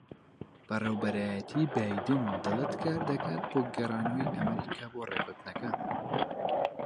بەڕێوەبەرایەتیی بایدن دەڵێت کار دەکات بۆ گێڕانەوەی ئەمریکا بۆ ڕێککەوتنەکە